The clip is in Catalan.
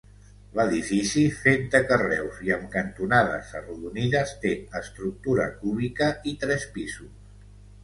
L'edifici, fet de carreus i amb cantonades arrodonides, té estructura cúbica i tres pisos.